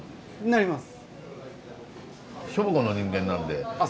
なります。